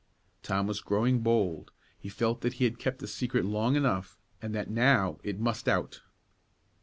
Tom was growing bold; he felt that he had kept the secret long enough and that, now, it must out.